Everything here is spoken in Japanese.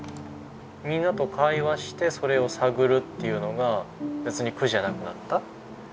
みんなと会話してそれを探るっていうのが別に苦じゃなくなった。